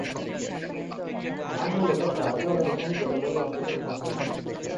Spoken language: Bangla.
ধান মূলত ক্রান্তিয় মৌসুমি জলবায়ু অঞ্চলের ফসল।